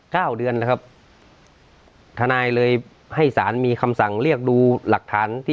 เก้าเดือนนะครับทนายเลยให้สารมีคำสั่งเรียกดูหลักฐานที่